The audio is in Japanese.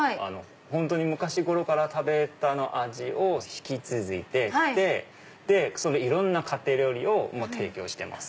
本当に昔の頃から食べた味を引き継いで行っていろんな家庭料理を提供してます。